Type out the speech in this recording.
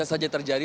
apa saja terjadi